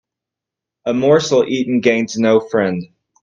A morsel eaten gains no friend.